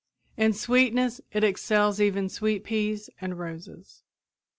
In sweetness it excels even sweet peas and roses.